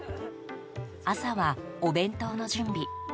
朝は、お弁当の準備。